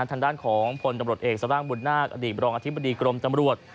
ทางด้านของพลตำรวจเอกสร่างบุญนาคอดีตบรองอธิบดีกรมตำรวจ